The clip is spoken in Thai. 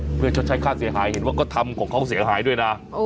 เพื่อชดใช้ค่าเสียหายเห็นว่าก็ทำของเขาเสียหายด้วยนะ